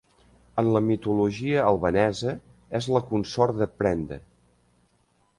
En la mitologia albanesa, és la consort de Prende.